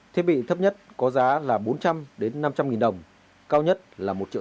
thiết bị thấp nhất có giá là bốn trăm linh năm trăm linh nghìn đồng cao nhất là một triệu đồng